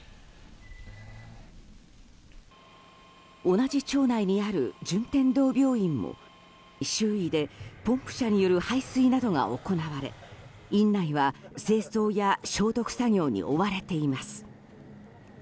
同じ町内にある順天堂病院も周囲でポンプ車による排水などが行われ院内は清掃や消毒作業に追われています。